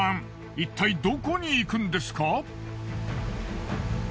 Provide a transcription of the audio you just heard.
一体どこに行くんですか？